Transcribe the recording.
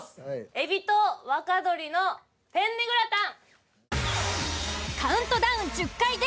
海老と若鶏のペンネグラタン。